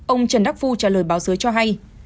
ông trần đắc phu trả lời báo giới cho hay